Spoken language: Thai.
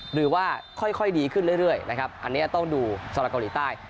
หรือว่าค่อยค่อยดีขึ้นเรื่อยเรื่อยนะครับอันเนี้ยต้องดูส่วนเกาหลีใต้